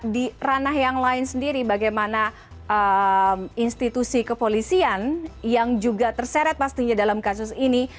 di ranah yang lain sendiri bagaimana institusi kepolisian yang juga terseret pastinya dalam kasus ini